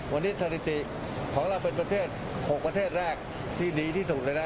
วันนี้สถิติของเราเป็นประเทศ๖ประเทศแรกที่ดีที่สุดเลยนะ